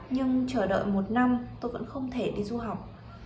nhưng chờ đợi một năm tôi vẫn không thể đi du học